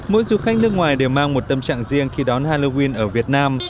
mỗi du khách nước ngoài đều mang một tâm trạng riêng khi đón halloween ở việt nam